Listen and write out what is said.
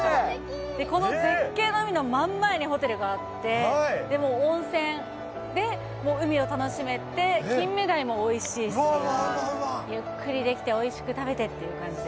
この絶景の海の真ん前にホテルがあって、温泉で、海を楽しめて、キンメダイもおいしいし、ゆっくりできておいしく食べてっていう感じで。